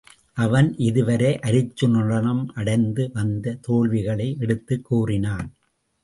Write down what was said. அவன் இதுவரை அருச்சுனனிடம் அடைந்து வந்த தோல்விகளை எடுத்துக் கூறினான்.